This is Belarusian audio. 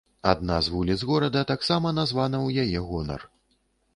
Адна з вуліц горада таксама названа ў яе гонар.